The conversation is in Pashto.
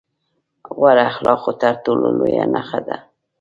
غوره اخلاقو تر ټولو لويه نښه دا ده.